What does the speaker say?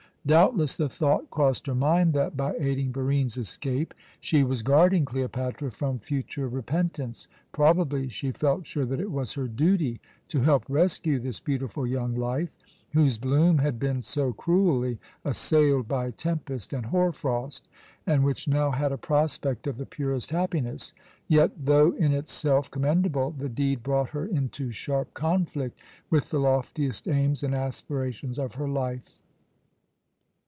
Doubtless the thought crossed her mind that, by aiding Barine's escape, she was guarding Cleopatra from future repentance; probably she felt sure that it was her duty to help rescue this beautiful young life, whose bloom had been so cruelly assailed by tempest and hoar frost, and which now had a prospect of the purest happiness; yet, though in itself commendable, the deed brought her into sharp conflict with the loftiest aims and aspirations of her life.